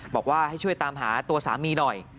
บอกว่าให้ช่วยตามหาตัวสามีหน่อย